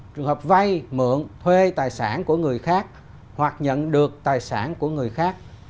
trường hợp vay mượn thuê tài sản của người khác hoặc nhận được tài sản của người khác